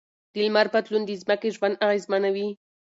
د لمر بدلون د ځمکې ژوند اغېزمنوي.